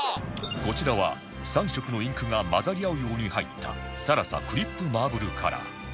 こちらは３色のインクが混ざり合うように入ったサラサクリップマーブルカラー